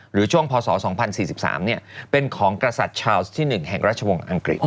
หรือช่วงพศ๒๐๔๓เป็นของกษัตริย์ชาวส์ที่๑แห่งราชวงศ์อังกฤษ